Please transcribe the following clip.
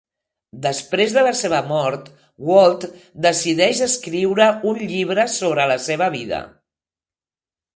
Després de la seva mort, Walt decideix escriure un llibre sobre la seva vida.